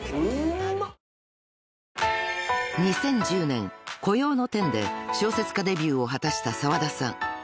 ［２０１０年『孤鷹の天』で小説家デビューを果たした澤田さん］